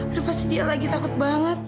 itu pasti dia lagi takut banget